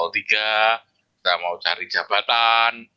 kita mau cari jabatan